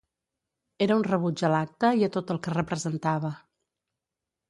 Era un rebuig a l'acte i a tot el que representava.